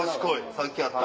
さっきあった。